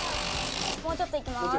もうちょっといきます。